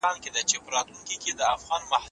که سوله نه وي نو پرمختګ ناسونی دی.